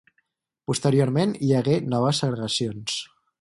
Posteriorment hi hagué noves segregacions.